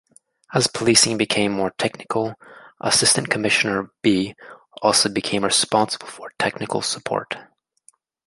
As policing became more technical, Assistant Commissioner "B" also became responsible for technical support.